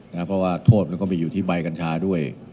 เพราะว่าโทษมันก็มีอยู่ที่ใบกัญชาด้วย